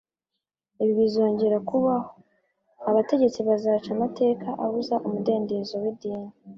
Ibi bizongera kubaho. Abategetsi bazaca amateka abuza umudendezo w'idini